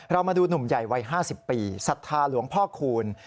เรามาดูหนุ่มใหญ่วัย๕๐ปีศรัทธาหลวงพ่อคูณ